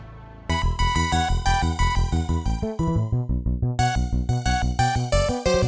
dan p amd